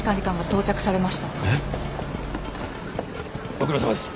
ご苦労さまです。